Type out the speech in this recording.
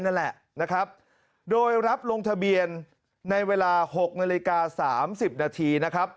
นั่นแหละนะครับโดยรับลงทะเบียนในเวลา๖นาฬิกา๓๐นาทีนะครับ